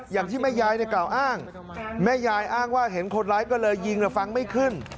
อย่างที่แม่ยายกล่าวอ้างแม่ยายอ้างว่าเห็นคนร้ายก็เลยยิงฟังไม่ขึ้น